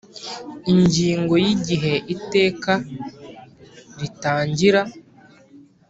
Ingingo ya Igihe Iteka ritangira